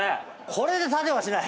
これで立てはしない。